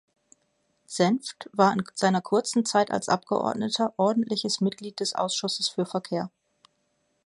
Senfft war in seiner kurzen Zeit als Abgeordneter ordentliches Mitglied des Ausschusses für Verkehr.